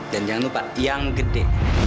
dan jangan lupa yang gede